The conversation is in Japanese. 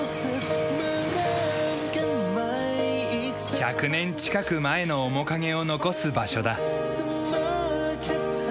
１００年近く前の面影を残す場所だ。